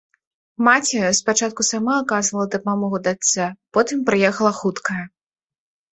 Маці спачатку сама аказвала дапамогу дачцэ, потым прыехала хуткая.